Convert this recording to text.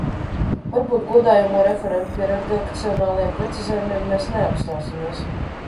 Varbūt, godājamo referent, pie redakcionāliem precizējumiem mēs neapstāsimies.